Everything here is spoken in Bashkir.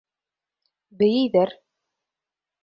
Бейейҙәр.